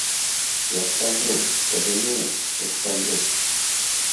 Як памру, разумееш, як памру.